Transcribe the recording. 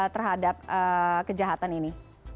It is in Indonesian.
terhadap kejahatan ini